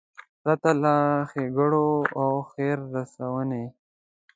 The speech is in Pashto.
پرته له ښېګړو او خیر رسونې.